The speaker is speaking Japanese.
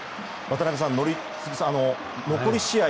宜嗣さん、残り試合